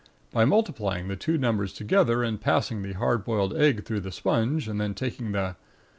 By multiplying the two numbers together and passing the hard boiled egg through the sponge and then taking the